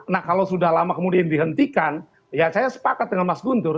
nah kalau sudah lama kemudian dihentikan ya saya sepakat dengan mas guntur